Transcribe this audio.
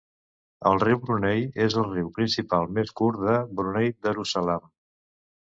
El riu Brunei és el riu principal més curt de Brunei Darussalam.